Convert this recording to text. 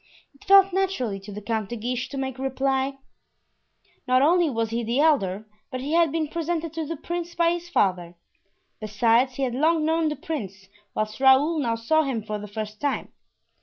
It fell naturally to the Count de Guiche to make reply; not only was he the elder, but he had been presented to the prince by his father. Besides, he had long known the prince, whilst Raoul now saw him for the first time.